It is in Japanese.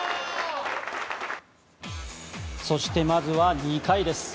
そしてまずは２回です。